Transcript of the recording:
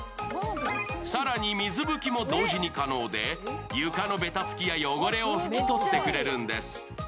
更に、水拭きも同時に可能で、床のべたつきや汚れを拭き取ってくれるんです。